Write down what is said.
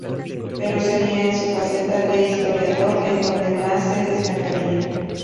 Pero sería en su faceta de historiador en donde más se destacaría.